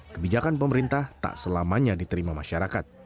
kebijakan pemerintah tak selamanya diterima masyarakat